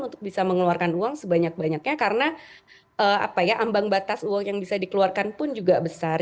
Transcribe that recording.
untuk bisa mengeluarkan uang sebanyak banyaknya karena ambang batas uang yang bisa dikeluarkan pun juga besar